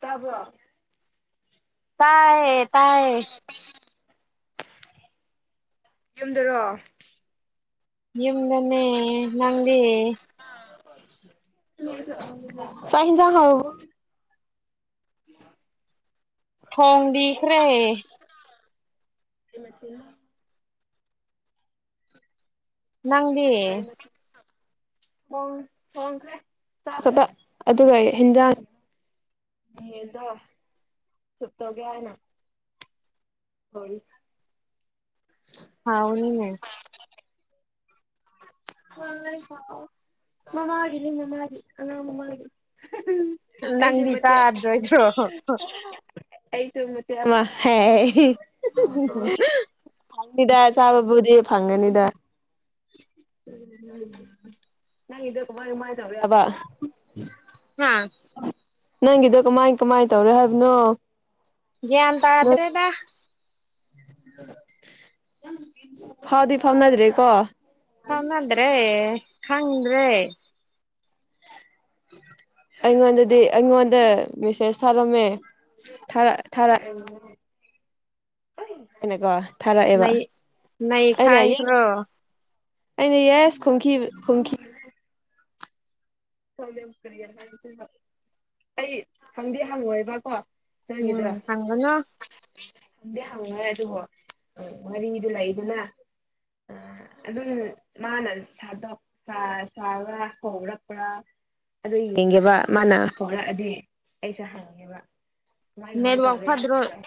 ꯇꯥꯕ꯭ꯔꯣ ꯇꯥꯏꯌꯦ ꯇꯥꯏꯌꯦ꯫ [inaudible] [inaudible] ꯌꯨꯝꯗꯔꯣ꯫ ꯌꯨꯝꯗꯅꯦ ꯅꯪꯗꯤ꯫ ꯆꯥꯛ ꯏꯟꯁꯥꯡ ꯍꯥꯎꯔ꯭ꯕꯣ [inaudible] ꯊꯣꯡꯕꯤꯈ꯭ꯔꯦ ꯀꯩ ꯃꯊꯦꯜꯅꯣ꯫ ꯅꯪꯗꯤ꯫ [inaudible] ꯊꯣꯡ ꯊꯣꯡꯈ꯭ꯔꯦ ꯆꯥꯛꯀꯗ ꯑꯗꯨꯒ ꯍꯦꯟꯖꯥꯡ ꯌꯦꯟꯗꯣ ꯁꯨꯞ ꯇꯧꯒꯦ ꯍꯥꯏꯅ ꯁꯣꯔꯤ [inaudible] ꯍꯥꯎꯅꯤꯅꯦ꯫ ꯃꯃꯥꯒꯤꯅꯦ ꯃꯃꯥꯒꯤ ꯑꯉꯥꯡ ꯃꯃꯥꯒꯤ ꯅꯪꯗꯤ ꯆꯥꯗ꯭ꯔꯣꯏꯗ꯭ꯔꯣ ꯑꯩꯁꯨ ꯍꯥꯎꯅꯤꯗ ꯆꯥꯕꯕꯨꯗꯤ ꯐꯪꯒꯅꯤꯗ꯫ ꯅꯪꯒꯤꯗꯨ ꯀꯃꯥꯢ ꯀꯃꯥꯏ ꯇꯧꯌꯦꯕ꯫ [inaudible] ꯅꯪꯒꯤꯗꯣ ꯀꯃꯥꯏ ꯀꯃꯥꯏ ꯇꯧꯔꯦ ꯍꯥꯏꯕꯅꯣ꯫ ꯒꯤꯌꯥꯟ ꯅꯣꯏ ꯇꯗ꯭ꯔꯦꯗ꯫ ꯐꯥꯎꯗꯤ ꯐꯥꯎꯅꯗ꯭ꯔꯤ ꯀꯣ ꯐꯥꯎꯅꯗ꯭ꯔꯦ ꯈꯪꯗ꯭ꯔꯦ ꯑꯩꯉꯣꯟꯗꯗꯤ ꯑꯩꯉꯣꯟꯗ ꯃꯦꯁꯦꯁ ꯊꯥꯔꯝꯃꯦ ꯊꯥꯔ ꯊꯥꯔ ꯑꯩꯅꯀꯣ꯫ ꯊꯥꯔꯛꯑꯦꯕ ꯅꯩ ꯑꯩꯅ ꯅꯩꯈꯥꯏꯈ꯭ꯔꯣ ꯌꯦꯁ ꯑꯩꯅ ꯌꯦꯁ ꯈꯨꯝꯈꯤꯕ ꯈꯨꯝꯈꯤ [unintelligible] ꯑꯩ ꯍꯪꯗꯤ ꯍꯪꯉꯣꯏꯕꯀꯣ꯫ ꯎꯝ ꯅꯪꯒꯤꯗꯣ ꯍꯪꯒꯅꯨ ꯍꯪꯗꯤ ꯍꯪꯉꯣꯢ ꯑꯗꯨꯕꯨ ꯋꯔꯤꯗꯨ ꯂꯩꯗꯅ ꯑꯗꯨꯝ ꯃꯥꯅ ꯁꯥꯗꯕ ꯁꯥ ꯁꯥꯕ꯭ꯔ ꯍꯧꯕ꯭ꯔꯥ ꯑꯗꯨ ꯌꯦꯡꯒꯦꯕ ꯃꯥꯅ ꯍꯧꯔꯛꯑꯗꯤ ꯑꯩꯁꯨ ꯍꯪꯡꯒꯦꯕ ꯀꯃꯥꯏ ꯀꯃꯥꯏ ꯅꯦꯠꯋꯥꯛ ꯇꯧꯔꯦ ꯐꯗ꯭ꯔꯣ ꯍꯥꯢꯕꯗꯣ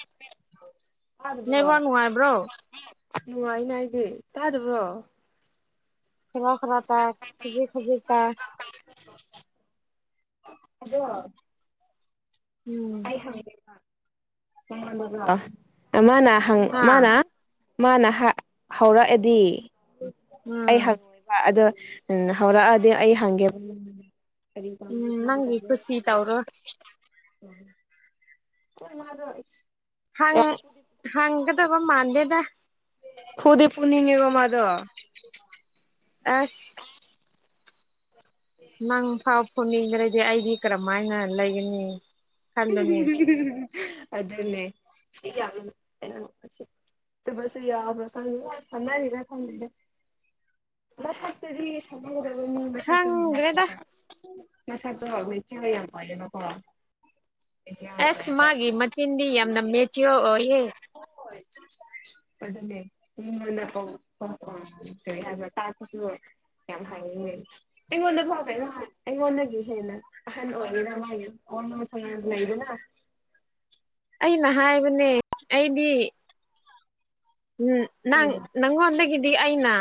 ꯇꯥꯗꯕ꯭ꯔꯣ ꯅꯦꯠꯋꯥꯛ ꯅꯨꯡꯉꯥꯏꯕ꯭ꯔꯣ ꯅꯨꯡꯉꯥꯏꯅ ꯑꯩꯗꯤ ꯇꯥꯗꯕ꯭ꯔꯣ ꯈꯔ ꯈꯔ ꯇꯥꯢ ꯈꯖꯤꯛ ꯈꯖꯤꯛ ꯇꯥꯢ [unintelligible] ꯑꯗꯣ ꯎꯝ ꯑꯥ ꯑꯃꯅꯥ ꯍꯪ ꯍꯥ ꯃꯥꯅꯥ ꯃꯥꯅ ꯍ ꯍꯧꯔꯛꯑꯗꯤ ꯑꯩ ꯎꯝ ꯍꯪꯉꯣꯏꯕ ꯑꯗꯣ ꯎꯝ ꯍꯧꯔꯛꯑꯗꯤ ꯑꯩ ꯍꯪꯒꯦꯕ ꯀꯔꯤ ꯄꯝꯒꯦ ꯎꯝ ꯀꯥꯃꯥꯏ ꯅꯪꯒꯤ ꯇꯧꯒꯦ ꯀꯨꯁꯤ ꯇꯧꯔꯣ ꯍꯥꯏꯕꯗꯣ ꯎꯝ ꯈꯣꯏ ꯃꯥꯗꯣ ꯑꯁ꯭ ꯍꯪ ꯍꯪꯒꯗꯕ ꯃꯥꯟꯗꯦꯗ ꯐꯨꯗꯤ ꯐꯨꯅꯤꯡꯉꯦꯕ ꯃꯥꯗꯣ ꯑꯁ ꯅꯪ ꯐꯥꯎ ꯐꯨꯝꯅꯤꯡꯔꯗꯤ ꯑꯩꯗꯤ ꯀꯔꯝꯃꯥꯏꯅ ꯂꯩꯒꯅꯤ ꯈꯜꯂꯨꯅꯦ [unintelligible] ꯑꯗꯨꯅꯦ [unintelligible] ꯑꯗꯨꯕꯁꯨ ꯌꯥꯕꯔꯥ ꯈꯪ ꯁꯥꯟꯅꯔꯤꯔ ꯈꯪꯗꯦ ꯃꯁꯛꯇꯨꯗꯤ ꯁꯥꯟꯅꯒꯗꯕ ꯃꯤꯃꯁꯛ ꯈꯪꯗ꯭ꯔꯦꯗ [unintelligible] ꯉꯁꯥꯢꯀꯣ ꯋꯦꯇꯤꯡꯒ ꯌꯥꯝ ꯑꯣꯢꯌꯦꯕꯀꯣ ꯑꯁ ꯃꯥꯒꯤ ꯃꯆꯤꯟꯗꯤ ꯌꯥꯝꯅ ꯃꯦꯆꯤꯌꯣꯔ ꯑꯣꯏꯌꯦ ꯍꯣꯏ ꯑꯗꯨꯅꯦ ꯃꯤꯉꯣꯟꯗ ꯀꯧ ꯀꯧꯔꯁꯨ ꯀꯔꯤ ꯍꯥꯢꯕ ꯇꯥꯛꯄꯁꯨ ꯌꯥꯝ ꯍꯩꯌꯦ ꯑꯩꯉꯣꯟꯗꯕꯨ [unintelligible] ꯑꯩꯉꯣꯟꯗꯒꯤ ꯍꯦꯟꯅ ꯑꯍꯟ ꯑꯣꯏꯔꯦꯗ ꯃꯥꯒꯤ ꯅꯣꯔꯃꯦꯜ ꯑ ꯂꯩꯩꯗꯅ ꯑꯩꯅ ꯍꯥꯏꯕꯅꯦ ꯑꯩꯗꯤ ꯎꯝ ꯅꯪ ꯅꯪꯉꯣꯟꯗꯒꯗꯤ ꯑꯩꯅ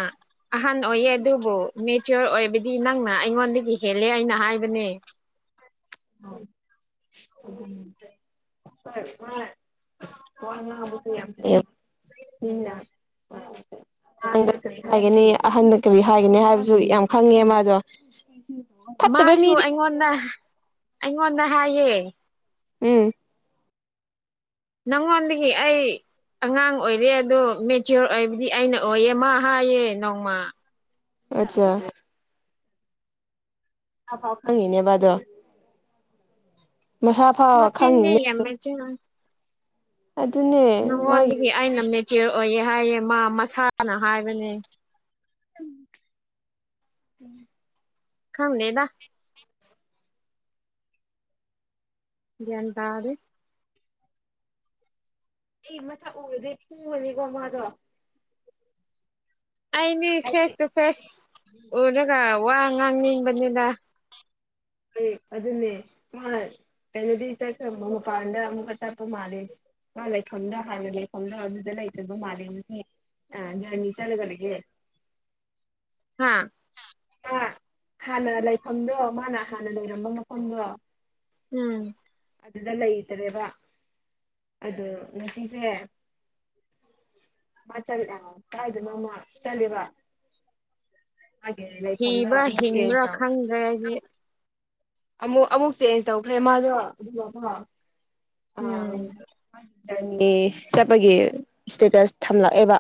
ꯑꯍꯟ ꯑꯣꯏꯌꯦ ꯑꯗꯨꯕꯨ ꯃꯦꯆꯤꯌꯣꯔ ꯑꯣꯏꯕꯗꯤ ꯅꯪꯅ ꯑꯩꯉꯣꯟꯗꯒꯤ ꯍꯦꯜꯂꯦ ꯍꯩꯅ ꯍꯥꯏꯕꯅꯦ [unintelligible] ꯋꯥ ꯉꯥꯡꯕꯁꯨ ꯌꯥꯝ ꯍꯩ ꯃꯤꯅ ꯍꯥꯢ ꯑꯉꯥꯡꯗ ꯀꯔꯤ ꯍꯥꯏꯒꯅꯤ ꯑꯍꯟꯗ ꯀꯔꯤ ꯍꯥꯏꯒꯅꯤ ꯍꯥꯏꯕꯁꯨ ꯌꯥꯝ ꯈꯪꯉꯦ ꯃꯥꯗꯣ ꯐꯠꯇꯕ ꯃꯥꯁꯨ ꯃꯤꯗꯤ ꯑꯩꯉꯣꯟꯗ ꯑꯩꯉꯣꯟꯗ ꯍꯥꯏꯌꯦ ꯎꯝ ꯅꯪꯉꯣꯟꯗꯒꯤ ꯑꯩ ꯑꯉꯥꯡ ꯑꯣꯏꯔꯦ ꯑꯗꯣ ꯃꯦꯆꯤꯌꯣꯔ ꯑꯣꯏꯕꯗꯤ ꯑꯩꯅ ꯑꯣꯏꯌꯦ ꯃꯥ ꯍꯥꯏꯌꯦ ꯅꯣꯡꯃ ꯑꯆꯥ ꯃꯥ ꯐꯥꯎ ꯈꯪꯉꯤꯅꯦꯕ ꯑꯗꯣ ꯃꯁꯥ ꯐꯥꯎ ꯃꯆꯤꯟꯗꯤ ꯈꯪꯉꯤꯅꯦ ꯌꯥꯝ ꯑꯗꯨ ꯃꯦꯆꯤꯌꯣꯔ ꯅꯉꯣꯟꯗꯒꯤ ꯃꯥꯒꯤ ꯑꯩꯅ ꯃꯦꯆꯤꯌꯣꯔ ꯑꯣꯏꯌꯦ ꯍꯥꯏꯌꯦ ꯃꯥ ꯃꯁꯥꯅ ꯍꯥꯏꯕꯅꯦ ꯎꯝ ꯎꯝ [unintelligible] ꯈꯪꯗꯦꯗ ꯒꯌꯥꯟ ꯇꯥꯗꯦ ꯑꯩ ꯃꯁꯛ ꯎꯔꯗꯤ ꯐꯨꯒꯅꯤꯀꯣ ꯃꯥꯗꯣ ꯑꯩꯅꯤ ꯐꯦꯁ ꯇꯨ ꯐꯦꯁ ꯎꯔꯒ ꯋꯥ ꯉꯥꯡꯅꯤꯡꯕꯅꯤꯗ ꯍꯣꯢ ꯑꯗꯨꯅꯦ ꯃꯥ ꯀꯩꯅꯣꯗꯤ ꯆꯠꯈꯔꯕꯣ ꯃꯄꯥꯟꯗ ꯑꯃꯨꯛꯀ ꯆꯠꯄ ꯃꯥꯜꯂꯦ ꯃꯥ ꯂꯩꯐꯝꯗ ꯍꯥꯟꯅ ꯂꯩꯐꯝꯗ ꯑꯗꯨꯗ ꯂꯩꯇꯕ ꯃꯥꯜꯂꯦ ꯍꯧꯖꯤꯛ ꯑ ꯖꯔꯅꯤ ꯆꯠꯂꯒ ꯂꯩꯒꯦ ꯍꯥꯥ ꯑꯥ- ꯍꯥꯟꯅ ꯂꯩꯐꯝꯗꯣ ꯃꯥꯅ ꯍꯥꯟꯅ ꯂꯩꯔꯝꯕ ꯃꯐꯝꯗꯣ [unintelligible] ꯑꯗꯨꯗ ꯂꯩꯇꯔꯦꯕꯥ ꯑꯗꯣ ꯉꯁꯤꯁꯦ ꯃꯥ ꯆꯠꯂꯦꯕ ꯀꯥꯏꯗꯅꯣꯃꯥ ꯆꯠꯂꯦꯕ ꯃꯥꯒꯤ ꯂꯩꯐꯝꯗꯣ ꯁꯤꯕ꯭ꯔꯥ ꯑꯃꯨꯛ ꯍꯤꯡꯕ꯭ꯔꯥ ꯆꯦꯟꯁ ꯇꯧꯋꯦ ꯈꯪꯗ꯭ꯔꯦ ꯑꯩꯗꯤ [unintelligible] ꯑꯃꯨꯛ ꯑꯃꯨꯛ ꯆꯦꯟꯁ ꯇꯧꯈ꯭ꯔꯦ ꯃꯥꯗꯣ ꯑꯗꯨꯒ ꯀꯣ ꯑꯥ ꯎꯝ ꯁꯟꯗꯦ ꯆꯠꯄꯒꯤ ꯏꯁꯇꯦꯇꯁ ꯊꯝꯂꯛꯑꯦꯕ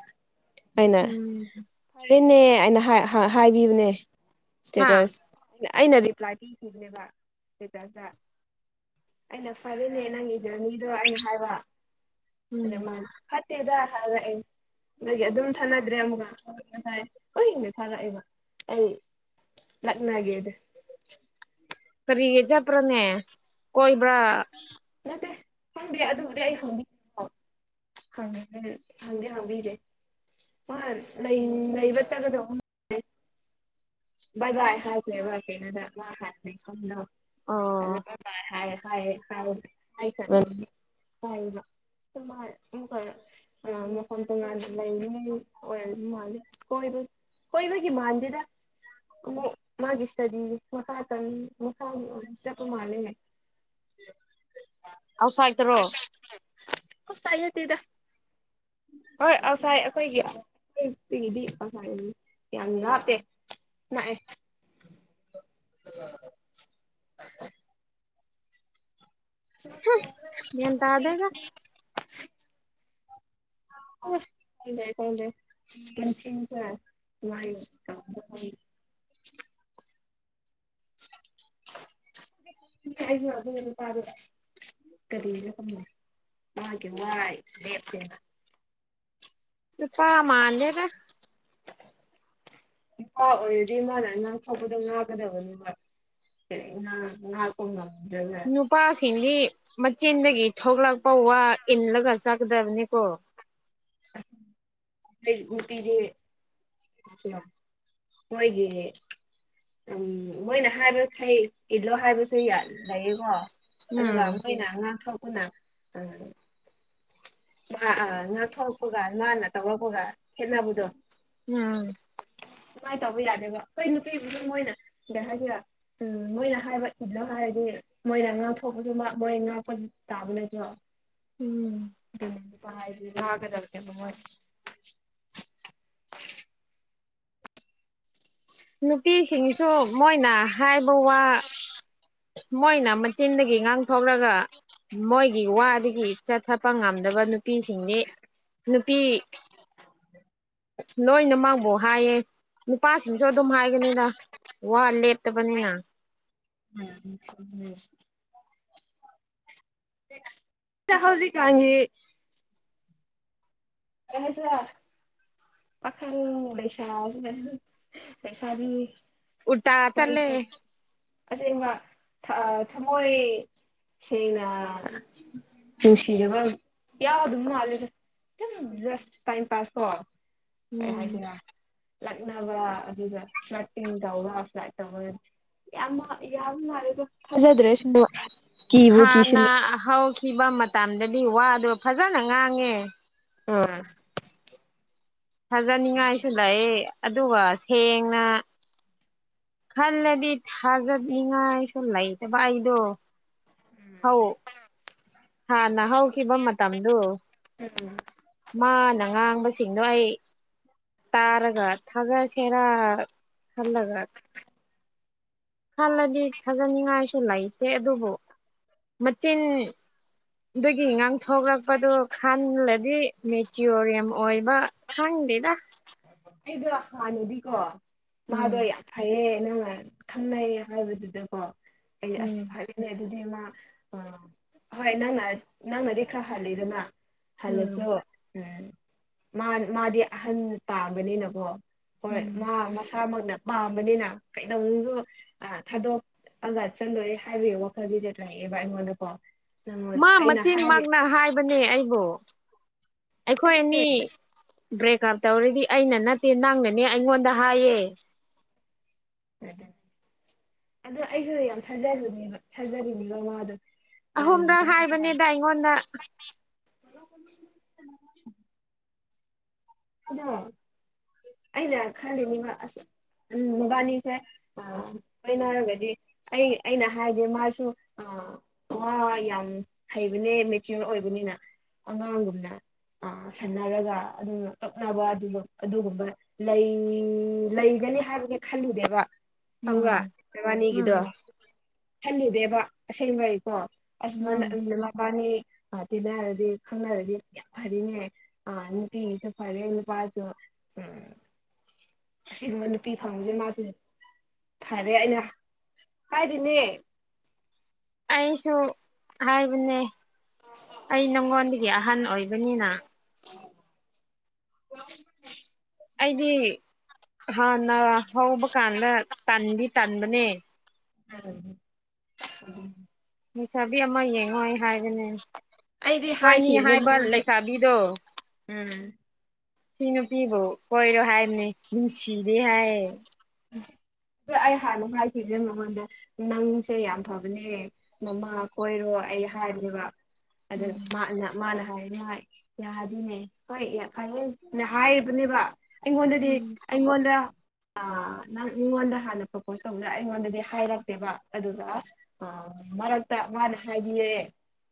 ꯑꯩꯅ ꯎꯝ ꯐꯔꯦꯅꯦ ꯑꯩꯅ ꯍꯥꯏ-ꯍꯥ-ꯍꯥꯏꯕꯤꯕꯅꯦ ꯍꯥ ꯏꯁꯇꯦꯇꯁ ꯑꯩꯅ ꯔꯤꯄ꯭ꯂꯥꯏ ꯄꯤꯈꯤꯕꯅꯦꯕꯥ ꯏꯁꯇꯦꯇꯁꯇꯥ ꯑꯩꯅ ꯐꯔꯦꯅꯦ ꯅꯪꯒꯤ ꯖꯔꯅꯤꯗꯣ ꯑꯩꯅ ꯍꯥꯏꯕ ꯑꯗꯥ ꯎꯝ ꯃꯥꯟꯅ ꯐꯠꯇꯦꯗꯥ ꯍꯥꯔꯛꯑꯦ ꯑꯗꯨꯒꯤ ꯑꯗꯨꯝ ꯊꯥꯅꯗ꯭ꯔꯦ ꯑꯃꯨꯛꯀ ꯉꯁꯥꯏ ꯑꯨꯏꯅ ꯊꯥꯔꯛꯑꯦꯕ ꯑꯩ ꯂꯛꯅꯒꯦꯗ ꯀꯔꯤꯒꯤ ꯆꯠꯄ꯭ꯔꯅꯦ ꯀꯣꯏꯕ꯭ꯔꯥ? ꯅꯠꯇꯦ ꯈꯪꯗꯦ ꯑꯗꯨꯕꯨꯗꯤ ꯑꯩ ꯍꯪꯕꯤ- ꯍꯪꯉꯒ ꯍꯪꯗꯤ ꯍꯪꯕꯤꯗꯦ ꯃꯥ ꯂꯩ--ꯂꯩꯕ ꯆꯠꯒꯗꯧꯒꯨꯝ ꯕꯥꯏ-ꯕꯥꯏ ꯍꯥꯏꯈ꯭ꯔꯦꯕ ꯀꯩꯅꯣꯗ ꯃꯥ ꯍꯥꯟꯅ ꯂꯩꯐꯝꯗꯣ ꯑꯣ [unintelligible] [unintelligible] ꯑ ꯃꯐꯝ ꯇꯣꯉꯥꯟꯅ ꯂꯩꯕꯒꯤ ꯑꯣꯏꯕ ꯃꯥꯜꯂꯦ ꯀꯣꯏꯕꯒꯤ ꯀꯣꯏꯕꯒꯤ ꯃꯥꯟꯗꯦꯗꯥ ꯑꯃꯨꯛ ꯃꯥꯒꯤ ꯏꯁꯇꯗꯤ ꯃꯈꯥꯇꯝ ꯃꯈꯥꯒꯤ ꯑꯣꯏꯅ ꯆꯠꯄ ꯃꯥꯥꯜꯂꯦ [inaudible] ꯑꯥꯎꯠꯁꯥꯏꯠꯇ꯭ꯔꯣ ꯑꯥꯎꯠꯁꯥꯏꯠ ꯅꯠꯇꯦꯗ ꯍꯣꯏ ꯑꯧꯁꯥꯏꯠ ꯑꯈꯣꯏꯒꯤ [unintelligible] ꯌꯥꯝ ꯂꯥꯞꯇꯦ ꯅꯛꯑꯦ [inaudible] ꯒ꯭ꯌꯥꯟ ꯇꯥꯗꯦꯗ [unintelligible] ꯏꯁ ꯈꯪꯗꯦ ꯈꯪꯗꯦ [unintelligible] [unintelligible] ꯑꯗꯨꯒꯤ ꯅꯨꯄꯥꯗꯣ ꯀꯔꯤꯔ ꯈꯪꯗꯦ ꯋꯥꯒꯤ ꯋꯥꯏ ꯂꯦꯞꯇꯦꯕ ꯅꯨꯄꯥ ꯃꯥꯟꯗꯦꯗ ꯅꯨꯄꯥ ꯑꯣꯏꯔꯗꯤ ꯃꯥꯅ ꯉꯥꯡꯊꯣꯛꯄꯗꯣ ꯉꯥꯛꯀꯗꯕꯅꯦꯕꯥ [unintelligible] ꯄ ꯉꯝꯗ꯭ꯔꯦꯅꯦ ꯅꯨꯄꯥꯁꯤꯡꯗꯤ ꯃꯆꯤꯟꯗꯒꯤ ꯊꯣꯛꯂꯛꯄ ꯋꯥ ꯏꯜꯂꯒ ꯆꯥꯀꯗꯕꯅꯦꯀꯣ ꯑꯩ ꯅꯨꯄꯤꯗꯤ ꯀꯅꯣ ꯃꯣꯏꯒꯤ ꯎꯝ ꯃꯣꯏꯅ ꯍꯥꯏꯕ ꯈꯩ ꯏꯜꯂꯣ ꯍꯥꯏꯕꯁꯨ ꯌꯥ ꯂꯩꯌꯦꯀꯣ ꯑꯗꯨꯒ ꯎꯝ ꯃꯣꯏꯅ ꯉꯥꯡꯊꯣꯛꯄꯅ ꯑꯥ ꯑꯥ ꯑꯥ ꯉꯥꯊꯣꯔꯛꯄꯒ ꯃꯥꯅ ꯇꯧꯔꯛꯄꯒ ꯈꯦꯠꯅꯕꯗꯣ [unintelligible] ꯗꯨꯃꯥꯏ ꯇꯧꯕ ꯌꯥꯗꯦꯕ ꯍꯣꯏ ꯅꯨꯄꯤꯕꯨꯗꯤ ꯃꯣꯏꯅ ꯒꯩ ꯍꯥꯏꯁꯤꯔꯥ ꯎꯝ ꯃꯣꯏꯅ ꯍꯥꯏꯕ ꯏꯜꯂꯣ ꯍꯥꯏꯔꯗꯤ ꯃꯣꯏꯅ ꯉꯥꯛꯊꯣꯛꯄꯗꯨꯃꯛ ꯃꯣꯏ ꯉꯥꯛꯄ ꯇꯥꯕ ꯅꯠꯇ꯭ꯔꯣ ꯎꯝ [unintelligible] ꯅꯨꯄꯤꯁꯤꯡꯁꯨ ꯃꯣꯏꯅ ꯍꯥꯏꯕ ꯋꯥ ꯃꯣꯏꯅ ꯃꯆꯤꯟꯗꯒꯤ ꯉꯥꯡꯊꯣꯛꯔꯒ ꯃꯣꯏꯒꯤ ꯋꯥꯗꯒꯤ ꯆꯠꯊꯄ ꯉꯝꯗꯕ ꯅꯨꯄꯤꯁꯤꯡꯗꯤ ꯅꯨꯄꯤ- [inaudible] ꯂꯣꯏꯅ ꯃꯥꯡꯕꯣ ꯍꯥꯏꯌꯦ ꯅꯨꯄꯥꯁꯤꯡꯁꯨ ꯑꯗꯨꯝ ꯍꯥꯏꯕꯅꯤꯗ ꯋꯥ ꯂꯦꯞꯇꯕꯅꯤꯅ ꯎꯝ [unintelligible] ꯇꯥ ꯍꯧꯖꯤꯛꯀꯥꯟꯒꯤ ꯀꯩ ꯍꯥꯢꯁꯤꯔ ꯄꯥꯈꯪ ꯂꯩꯁꯥꯕꯤꯅ ꯂꯩꯁꯥꯕꯤ ꯎꯜꯇꯥ ꯆꯠꯂꯦ ꯃꯣꯏꯒꯤ ꯑꯁꯦꯡꯕ ꯊꯥ ꯊꯃꯣꯏ ꯁꯦꯡꯅ ꯅꯨꯡꯁꯤꯖꯕ ꯌꯥꯎꯗꯕ ꯃꯥꯜꯂꯤꯗ ꯎꯝ ꯖꯁ ꯇꯥꯏꯝ ꯄꯥꯁ ꯀꯣ ꯀꯩ ꯎꯝ ꯍꯥꯏꯁꯤꯔ ꯂꯛꯅꯕ ꯑꯗꯨꯒ ꯐ꯭ꯂꯔꯇꯤꯡ ꯇꯧꯔ ꯐ꯭ꯂꯔꯠ ꯇꯧꯔ ꯌꯥꯝꯃ ꯌꯥꯕ ꯃꯥꯜꯂꯦꯗ ꯊꯥꯖꯗ꯭ꯔꯦ ꯑꯁꯦꯡꯕ ꯍꯥꯟꯅ ꯍꯧꯈꯤꯕ ꯃꯇꯝꯗꯗꯤ ꯋꯥꯗꯣ ꯐꯖꯅ ꯉꯥꯡꯉꯦ ꯎꯝ ꯊꯥꯖꯅꯤꯡꯉꯥꯏꯁꯨ ꯂꯩ ꯑꯗꯨꯒ ꯁꯦꯡꯅ ꯈꯜꯂꯗꯤ ꯊꯥꯖꯠꯅꯤꯡꯉꯥꯏꯁꯨ ꯂꯩꯇꯕ ꯑꯩꯗꯣ ꯍꯧ ꯍꯥꯟꯅ ꯍꯧꯈꯤꯕ ꯃꯇꯝꯗꯨ ꯃꯥꯅ ꯉꯥꯡꯕꯁꯤꯡꯗꯣ ꯑꯩ ꯇꯥꯔꯒ ꯊꯥꯒꯁꯦꯔꯥ ꯈꯜꯂꯒ ꯈꯜꯂꯗꯤ ꯊꯥꯖꯅꯤꯡꯉꯥꯏꯁꯨ ꯂꯩꯇꯦ ꯑꯗꯨꯕꯨ ꯃꯆꯤꯟ ꯗꯨꯒꯤ ꯉꯥꯡꯊꯣꯛꯂꯛꯄꯗꯨ ꯈꯟꯂꯗꯤ ꯃꯦꯆ꯭ꯌꯣꯔ ꯌꯝ ꯑꯣꯏꯕ ꯈꯪꯗꯦꯗ ꯑꯩꯗꯣ ꯍꯥꯟꯅꯗꯤꯀꯣ ꯃꯥꯗꯣ ꯎꯝ ꯌꯥꯝ ꯐꯩꯌꯦ ꯅꯪꯅ ꯈꯪꯅꯩꯌꯦ ꯍꯥꯏꯕꯗꯨꯗꯀꯣ ꯑꯩ ꯑꯁ ꯎꯝ ꯍꯥꯏ ꯑꯗꯨꯗꯤ ꯃꯥ ꯑꯥ ꯍꯣꯏ ꯅꯪꯅ ꯅꯪꯅꯗꯤ ꯈꯔ ꯍꯜꯂꯤꯗꯅ ꯍꯜꯂꯁꯨ ꯎꯝ ꯎꯝ ꯃꯥ ꯃꯥꯗꯤ ꯑꯍꯟ ꯄꯥꯝꯕꯅꯤꯅꯀꯣ ꯍꯣꯏ ꯎꯝ ꯃꯥ ꯃꯁꯥꯃꯛꯅ ꯄꯥꯝꯕꯅꯤꯅ ꯀꯩꯗꯧꯅꯨꯡꯁꯨ ꯑꯥ ꯊꯥꯗꯣꯛ ꯑꯒ ꯆꯪꯗꯣꯏꯔꯦ ꯍꯥꯏꯕꯒꯤ ꯋꯥꯈꯜꯗꯤꯗꯤ ꯂꯩꯌꯦꯕ ꯑꯩꯉꯣꯟꯗ ꯀꯣ ꯃꯥ ꯃꯆꯤꯟ ꯃꯛꯅ ꯍꯥꯏꯕꯅꯦ ꯑꯩꯕꯨ ꯑꯩꯈꯣꯏ ꯑꯅꯤ ꯕ꯭ꯔꯦꯛ ꯑꯞ ꯇꯧꯔꯗꯤ ꯑꯩꯅ ꯅꯠꯇꯦ ꯅꯪꯅꯅꯦ ꯑꯩꯉꯣꯟꯗ ꯍꯥꯏꯌꯦ ꯑꯗꯨ ꯑꯩꯁꯨ ꯌꯥꯝ ꯊꯥꯖꯔꯤꯅꯦꯕ ꯊꯥꯖꯔꯤꯅꯦꯕ ꯃꯥꯗꯣ ꯑꯍꯨꯝꯗ ꯍꯥꯏꯕꯅꯦꯗ ꯑꯩꯉꯣꯟꯗ [inaudible] ꯑꯗꯣ ꯑꯩꯅ ꯈꯜꯂꯤꯅꯦꯕ ꯑꯁ ꯎꯝ ꯃꯕꯥꯟꯅꯤꯁꯦ ꯑ ꯑꯩꯅ ꯍꯥꯏꯔꯒꯗꯤ ꯑꯩ ꯑꯩꯅ ꯍꯥꯏꯔꯗꯤ ꯃꯥꯁꯨ ꯑ ꯋꯥ‌ ꯋꯥ‌ ꯌꯥꯝ ꯍꯩꯕꯅꯦ ꯃꯦꯆ꯭ꯌꯣꯔ ꯑꯣꯏꯕꯅꯤꯅ ꯑꯉꯥꯡꯒꯨꯝꯅ ꯑ ꯁꯥꯟꯅꯔꯒ ꯑꯗꯨꯒ ꯇꯛꯅꯕ ꯑꯗꯨꯒ ꯑꯗꯨꯒꯨꯝꯕ ꯂꯩ ꯂꯩꯒꯅꯤ ꯍꯥꯏꯕꯁꯦ ꯈꯜꯂꯨꯗꯦꯕ ꯈꯪꯕ꯭ꯔꯥ ꯎꯝ ꯅꯕꯥꯅꯤꯒꯤꯗꯣ ꯎꯝ ꯈꯜꯂꯨꯗꯦꯕ ꯑꯁꯦꯡꯕꯩꯀꯣ ꯑꯁ ꯃꯥꯅ ꯎꯝ ꯑꯞ ꯅꯕꯥꯅꯤ ꯃꯥꯔꯇꯤꯟꯅ ꯍꯥꯏꯔꯗꯤ ꯈꯪꯅꯔꯗꯤ ꯌꯥꯝ ꯐꯔꯤꯅꯦ ꯑ ꯅꯨꯡꯇꯤꯒꯤ ꯆꯠ ꯐꯔꯦ ꯅꯨꯄꯥꯁꯨ ꯎꯝ ꯑꯁꯤꯒꯨꯝꯕ ꯅꯨꯄꯤ ꯐꯪꯕꯁꯦ ꯃꯥꯁꯨ ꯐꯔꯦ ꯑꯩꯅ ꯍꯥꯏꯔꯤꯅꯦ ꯑꯩꯁꯨ ꯍꯥꯏꯕꯅꯦ ꯑꯩ ꯅꯪꯉꯣꯟꯗꯒꯤ ꯑꯍꯟ ꯑꯣꯏꯕꯅꯤꯅ ꯑꯣ [unintelligible] ꯑꯩꯗꯤ ꯍꯥꯟꯅ ꯍꯧꯕ ꯀꯥꯟꯗ ꯇꯟꯗꯤ ꯇꯟꯕꯅꯦ ꯎꯝ ꯂꯩꯁꯥꯕꯤ ꯑꯃ ꯌꯦꯡꯉꯣꯏ ꯍꯥꯏꯕꯅꯦ ꯈ‌ꯣꯏꯅꯤ ꯍꯥꯏꯕ ꯂꯩꯁꯥꯕꯤꯗꯣ ꯁꯤ ꯅꯨꯄꯤꯕꯨ ꯀꯣꯏꯔꯣꯏ ꯍꯥꯏꯕꯅꯤ ꯅꯨꯡꯁꯤꯔꯦ ꯍꯥꯏꯌꯦ ꯑ ꯑꯩ ꯍꯥꯟꯅ ꯍꯥꯏꯈꯤꯒꯦ ꯃꯉꯣꯟꯗ ꯅꯪꯁꯦ ꯌꯥꯝ ꯐꯕꯅꯦ ꯃꯃꯥ ꯀꯣꯏꯔꯣ ꯑꯩ ꯍꯥꯏꯕꯅꯦꯕ ꯑꯗꯨꯒ ꯎꯝ ꯃꯥꯅ ꯃꯥꯅ ꯍꯥꯏꯅꯤꯡꯉꯥꯏ ꯌꯥꯗꯤꯅꯦ ꯍꯣꯏ ꯐꯩꯌ‌ꯦꯅ ꯍꯥꯏꯕꯅꯦꯕ ꯑꯩꯉꯣꯟꯗꯗꯤ ꯎꯝ ꯑꯩꯉꯣꯟꯗ ꯑ ꯅꯪ ꯃꯤꯉꯣꯟꯗ ꯍꯥꯟꯅ ꯄ꯭ꯔꯄꯣꯁ ꯇꯧꯕꯗꯨꯗ ꯑꯩꯉꯣꯟꯗꯗꯤ ꯍꯥꯏꯔꯛꯇꯦꯕ ꯑꯗꯨꯒ ꯑ ꯃꯔꯛꯇ ꯃꯥꯅ ꯍꯥꯏꯕꯤꯌꯦ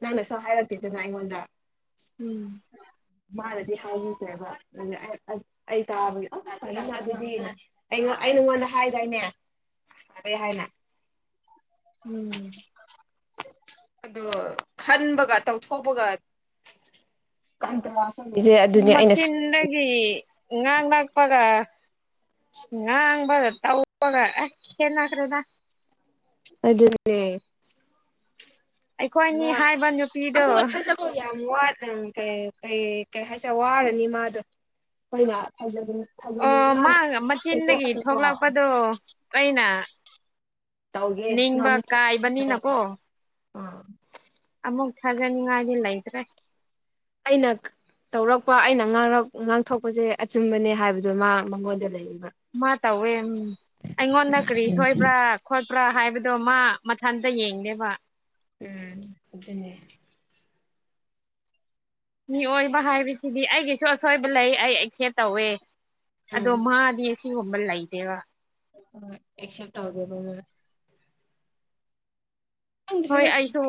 ꯅꯪꯅꯁꯨ ꯍꯥꯏꯔꯛꯇꯦꯗꯅ ꯑꯩꯉꯣꯟꯗ ꯎꯝ ꯃꯥꯅꯗꯤ ꯍꯥꯏꯕꯤꯈ꯭ꯔꯦꯕ ꯑꯗꯨꯒꯤ ꯑꯩ ꯑꯩ ꯑꯩ ꯇꯥꯕꯒꯤ ꯑ ꯐꯔꯦꯅ ꯑꯗꯨꯗꯤꯅ ꯑꯩꯉꯣꯟ ꯑꯩ ꯅꯉꯣꯟꯗ ꯍꯥꯏꯗꯥꯏꯅꯦ ꯐꯔ‌ꯦ ꯍꯥꯏꯅ ꯎꯝ ꯑꯗꯨ ꯈꯟꯕꯒ ꯇꯧꯊꯣꯛꯄꯒ ꯀꯟꯇ꯭ꯔꯥꯁ ꯆꯠꯂ‌ꯦ ꯏꯖꯤꯌ‌ꯦ ꯑꯗꯨꯅ‌ꯦ ꯑꯩꯅ ꯁꯥꯎ ꯏꯟꯗꯒꯤ ꯉꯥꯡꯂꯛꯄꯒ ꯉꯥꯡꯕꯒ ꯇꯧ ꯄꯒ ꯑꯦ ꯈꯦꯠꯅꯈ꯭ꯔꯦꯗ ꯑꯗꯨꯅꯦ ꯑꯩꯈꯣꯏꯅꯤ ꯅ‌ꯣꯏ ꯍꯥꯏꯕ ꯅꯨꯄꯤꯗꯣ ꯑꯃꯨꯛꯀ ꯊꯥꯖ ꯑꯣ ꯌꯥꯝ ꯋꯥꯠ ꯑ‌ ꯀꯩ ꯀꯩ ꯀꯩ ꯍꯥꯏꯁꯤꯔ ꯋꯥꯔꯅꯤ ꯃꯥꯗꯣ ꯈꯣꯏꯅ ꯊꯥꯖꯒꯅꯤ ꯑꯣ ꯃꯥꯒ ꯃꯆꯤꯟꯗꯒꯤ ꯊꯣꯛꯂꯛꯄꯗꯣ ꯑꯩꯅ ꯅꯤꯡꯕ ꯀꯥꯏꯕꯅꯤꯅꯀꯣ ꯑꯥ ꯑꯃꯨꯛ ꯊꯥꯖꯅꯤꯡꯉꯥꯏꯗꯤ ꯂꯩꯇ꯭ꯔꯦ ꯑꯩꯅ ꯇꯧꯔꯛꯄ ꯑꯩꯅ ꯉꯥꯡꯔꯛ ꯉꯥꯡꯊꯣꯛꯄꯖ‌ꯦ ꯑꯆꯨꯝꯕꯅꯦ ꯍꯥꯏꯕꯗꯣ ꯃꯥ ꯃꯉꯣꯟꯗ ꯂꯩꯔꯤꯕ ꯃꯥ ꯇꯧꯋꯦ ꯎꯝ ꯑꯩꯉꯣꯟꯗ ꯀꯔꯤ ꯁꯣꯏꯕ꯭ꯔꯥ ꯈꯣꯠꯄ꯭ꯔꯥ ꯍꯥꯏꯕꯗꯣ ꯃꯥ ꯃꯊꯟꯇ ꯌꯦꯡꯗꯦꯕ ꯎꯝ ꯑꯗꯨꯅꯦ ꯃꯤꯑꯣꯏꯕ ꯍꯥꯏꯕꯁꯤꯗꯤ ꯑꯩꯒꯤꯁꯨ ꯑꯁꯣꯏꯕ ꯂꯩ ꯑꯩ ꯑꯩꯁꯦꯞ ꯇꯧꯋꯦ ꯑꯗꯣ ꯃꯥꯗꯤ ꯁꯤꯒꯨꯝꯕ ꯂꯩꯇꯦꯕ ꯍꯣꯏ ꯑꯦꯛꯁꯦꯞ ꯇꯧꯗꯦꯕ ꯃꯣꯏ ꯍꯣꯏ ꯈꯪꯗ꯭ꯔꯤꯗ ꯑꯩꯁꯨ